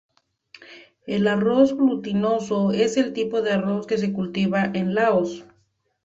El arroz glutinoso es el tipo de arroz que se cultiva en Laos.